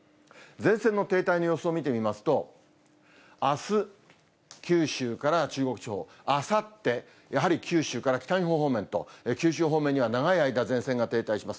前線の停滞の予想を見てみますと、あす、九州から中国地方、あさって、やはり九州から北日本方面と、九州方面には長い間前線が停滞します。